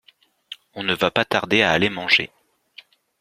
On ne va pas tarder à aller manger!